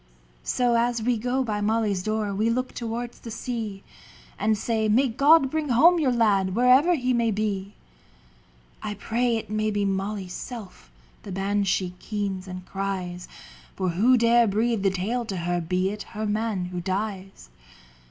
So as we go by Molly's door We look towards the sea, And say, ' May God bring home your lad, Wherever he may be.' I pray it may be Molly's self, The banshee keens and cries, For who dare breathe the tale to her, Be it her man who dies